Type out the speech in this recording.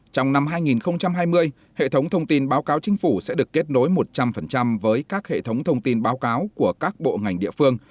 trong năm hai nghìn hai mươi hệ thống thông tin báo cáo chính phủ sẽ được kết nối một trăm linh với các hệ thống thông tin báo cáo của các bộ ngành địa phương